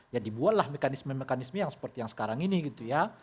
ya dibuatlah mekanisme mekanisme yang seperti yang sekarang ini gitu ya